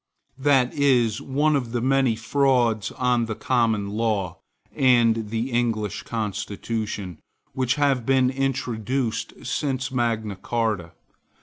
That is one of the many frauds on the Common Law, and the English constitution, which have been introduced since Magna Carta.